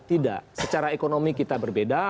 tidak secara ekonomi kita berbeda